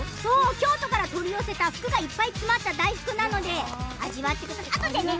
京都から取り寄せた福がいっぱい詰まった大福味わってね。